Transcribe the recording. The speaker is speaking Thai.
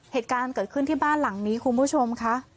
เหตุการณ์เกิดขึ้นที่บ้านหลังนี้คุณผู้ชมค่ะ